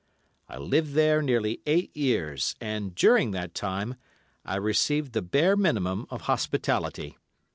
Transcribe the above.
I lived there nearly eight years, and during that time I received the bare minimum of hospitality.